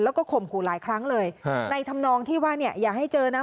แล้วก็ข่มขู่หลายครั้งเลยในธรรมนองที่ว่าเนี่ยอย่าให้เจอนะ